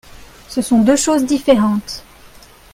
Ce sont deux choses différentes